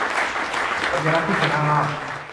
สัญลักษณ์ที่คณะราษฎร